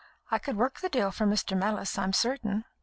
I could work the deal for Mr. Mellis, I'm certain."